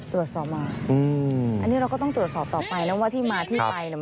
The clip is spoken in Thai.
ตรวจสอบมาอืมอันนี้เราก็ต้องตรวจสอบต่อไปนะว่าที่มาที่ไปเนี่ย